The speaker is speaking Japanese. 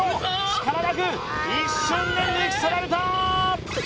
力なく一瞬で抜き去られたー！